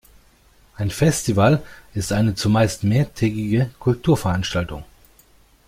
Ein Festival ist eine zumeist mehrtägige Kulturveranstaltung